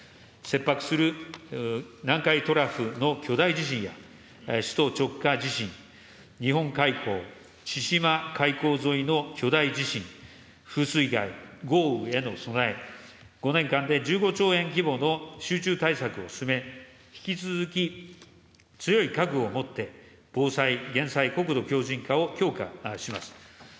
切迫する南海トラフの巨大地震や、首都直下地震、日本海溝、千島海溝沿いの巨大地震、風水害、豪雨への備え、５年間で１５兆円規模の集中対策を進め、引き続き強い覚悟を持って、防災・減災、国土強じん化を強化します。